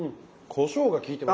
こしょうが効いてます。